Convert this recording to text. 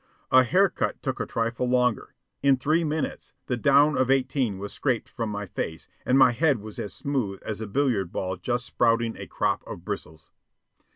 A hair cut took a trifle longer. In three minutes the down of eighteen was scraped from my face, and my head was as smooth as a billiard ball just sprouting a crop of bristles.